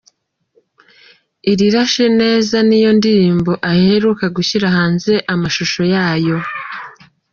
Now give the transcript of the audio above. Irirashe nezaa’ niyo ndirimbo aheruka gushyira hanze amashusho yayo.